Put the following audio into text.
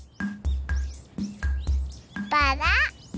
バラ。